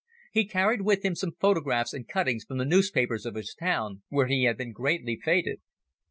He carried with him some photographs and cuttings from the newspapers of his town where he had been greatly feted.